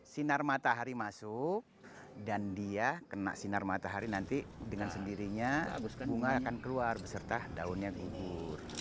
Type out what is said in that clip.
sinar matahari masuk dan dia kena sinar matahari nanti dengan sendirinya bunga akan keluar beserta daunnya gugur